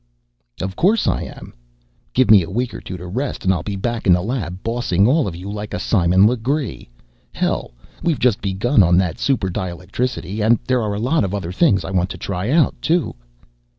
"Of course I am. Give me a week or two to rest, and I'll be back in the lab bossing all of you like a Simon Legree. Hell, we've just begun on that super dielectricity. And there are a lot of other things I want to try out, too."